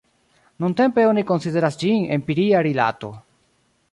Nuntempe oni konsideras ĝin empiria rilato.